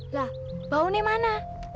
lah bawo ini mana